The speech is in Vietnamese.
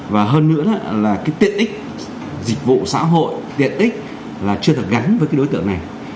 và hơn nữa là cái tiện ích dịch vụ xã hội tiện ích là chưa được gắn với cái đối tượng này